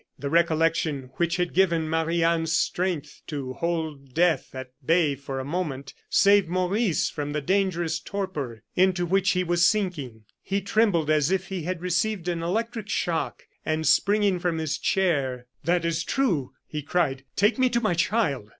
The recollection which had given Marie Anne strength to hold death at bay for a moment, saved Maurice from the dangerous torpor into which he was sinking. He trembled as if he had received an electric shock, and springing from his chair: "That is true," he cried. "Take me to my child."